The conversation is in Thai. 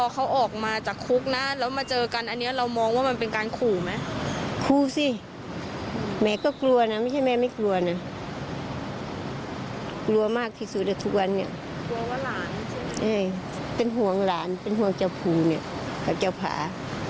ทีมข่าวไปตรวจสอบความเคลื่อนไหวในโลกโซเชียลของในโดมผู้เกาะเหตุนะคะ